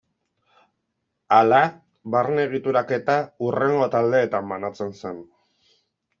Hala, barne egituraketa hurrengo taldeetan banatzen zen.